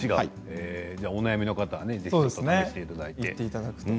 お悩みの方はぜひ実践していただいて。